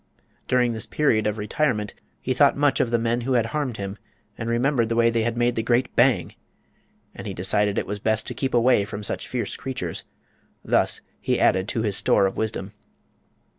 During this period of retirement he thought much of the men who had harmed him, and remembered the way they had made the great "bang!" And he decided it was best to keep away from such fierce creatures. Thus he added to his store of wisdom.